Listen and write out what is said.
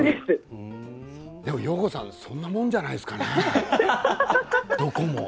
でも、よーこさんそんなもんじゃないですかねどこも。